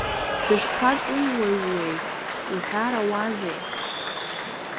Дышԥатәымуаҩуеи уҳәарауазеи!